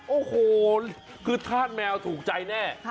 โอ้โหคือธาตุแมวถูกใจแน่